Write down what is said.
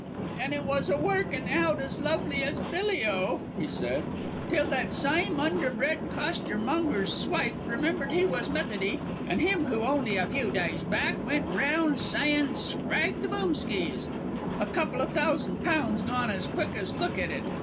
"An' it was a workin' out as lovely as Billy oh," he said, "till that syme underbred costermonger's swipe remembered he was Methody an' him who, only a few d'ys back, went raound s'yin' 'scrag the "Boomskys"!' A couple o' thousand pounds gone as quick as look at it.